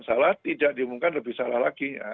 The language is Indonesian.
salah tidak diumumkan lebih salah lagi